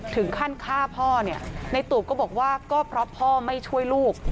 ถึงขั้นฆ่าพ่อเนี่ยในตูบก็บอกว่าก็เพราะพ่อไม่ช่วยลูก